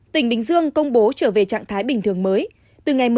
tỉnh bình dương công bố trở về trạng thái bình thường mới từ ngày một mươi năm